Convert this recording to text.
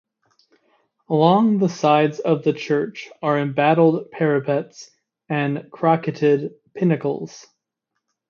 Along the sides of the church are embattled parapets and crocketed pinnacles.